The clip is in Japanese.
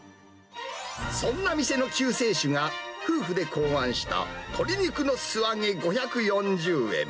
そんな店の救世主が、夫婦で考案した鶏肉の素揚げ５４０円。